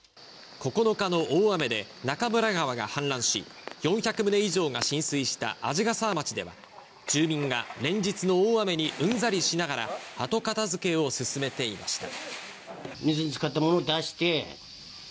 ９日の大雨で中村川か氾濫し、４００棟以上が浸水した鯵ヶ沢町では住民が連日の大雨にうんざりしながら後片付けを進めていました。